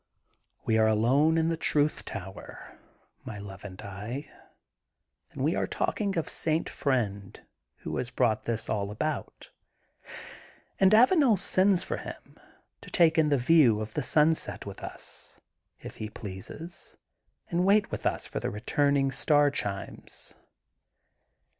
We are alone in the Truth Tower, my love and I, and we are talking of St. Friend, who has brought this all about, and Avanel sends for him, to take in the view of the sunset with us, if he pleases, and wait with us for the returning star chimes.